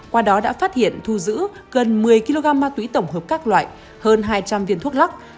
qua đó đã phát hiện thu giữ gần một mươi kg ma túy tổng hợp các loại hơn hai trăm linh viên thuốc lắc